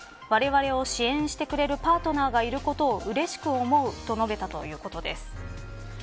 われわれを支援してくれるパートナーがいることをうれしく思うと述べたということです。